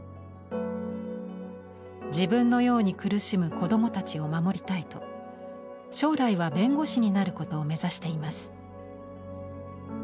自分のように苦しむ子どもたちを守りたいと将来は弁護士になることを目指しています。